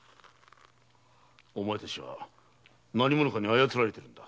お前たちは何者かに操られているんだ。